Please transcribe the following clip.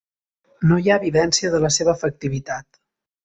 No hi ha evidència de la seva efectivitat.